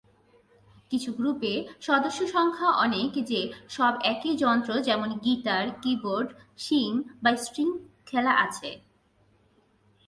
কিছু গ্রুপে সদস্য সংখ্যা অনেক যে সব একই যন্ত্র, যেমন গিটার, কীবোর্ড, শিং বা স্ট্রিং খেলা আছে।